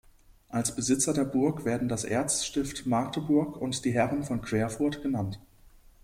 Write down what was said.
Als Besitzer der Burg werden das Erzstift Magdeburg und die Herren von Querfurt genannt.